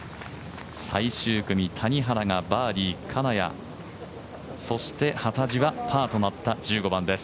最終組、谷原がバーディー金谷、そして幡地はパーとなった１５番です。